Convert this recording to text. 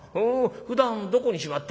ふだんどこにしまってある？」。